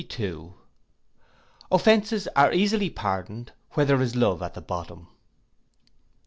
Offences are easily pardoned where there is love at bottom.